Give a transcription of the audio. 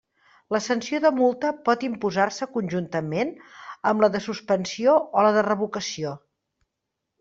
La sanció de multa pot imposar-se conjuntament amb la de suspensió o la de revocació.